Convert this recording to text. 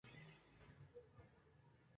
سارتی ءُبرفءَ آ ٹنٹرینتگ اِت اَنت